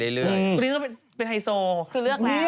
คือเลือกแล้วว่าเป็นคนนี้